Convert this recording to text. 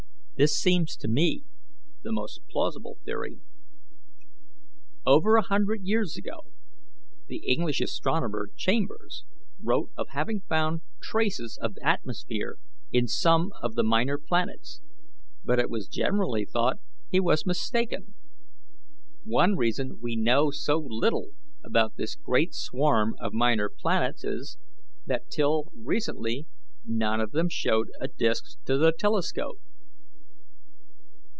This seems to me the most plausible theory. Over a hundred years ago the English astronomer, Chambers, wrote of having found traces of atmosphere in some of these minor planets, but it was generally thought he was mistaken. One reason we know so little about this great swarm of minor planets is, that till recently none of them showed a disk to the telescope.